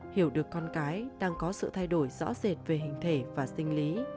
hiểu được con cái đang có sự thay đổi rõ rệt về hình thể và sinh lý